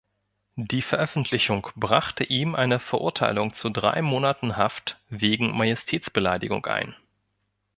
Die Veröffentlichung brachte ihm eine Verurteilung zu drei Monaten Haft wegen Majestätsbeleidigung ein.